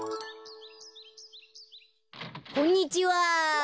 こんにちは。